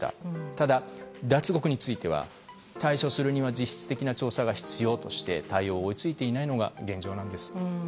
ただ、脱獄については対処するには実質的な調査が必要だとして対応が追い付いていないのが現状なんです。